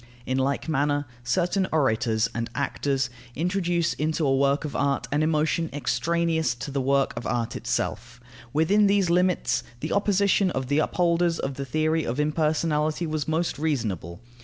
In like manner certain orators and actors introduce into a work of art an emotion extraneous to the work of art itself. Within these limits, the opposition of the upholders of the theory of impersonality was most reasonable.